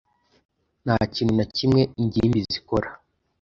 Nta kintu na kimwe ingimbi zikora.